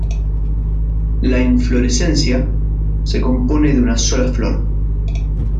La inflorescencia se compone de una sola flor.